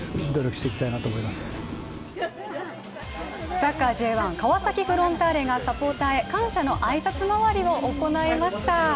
サッカーＪ１、川崎フロンターレがサポーターへ感謝の挨拶回りを行いました。